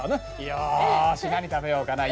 よし何食べようかな。